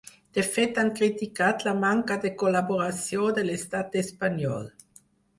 De fet, han criticat la manca de col·laboració de l’estat espanyol.